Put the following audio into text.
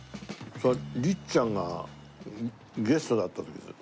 それは律ちゃんがゲストだった時ですよ。